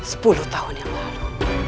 sepuluh tahun yang lalu